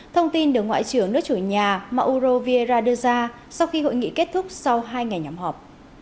thông tin được ngoại trưởng nước chủ nhà mauro vieira đưa ra sau khi hội nghị kết thúc sau hai ngày nhóm họp